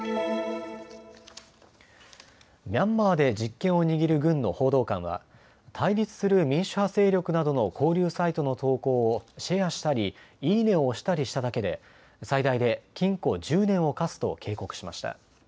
ミャンマーで実権を握る軍の報道官は対立する民主派勢力などの交流サイトの投稿をシェアしたり、いいねを押したりしただけで最大で禁錮１０年を科すと警告しました。